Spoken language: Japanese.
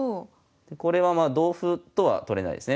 これは同歩とは取れないですね。